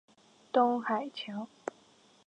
東海橋